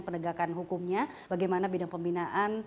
penegakan hukumnya bagaimana bidang pembinaan